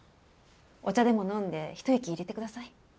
お茶でも飲んでひと息入れてください。